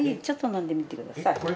ちょっと飲んでみてください。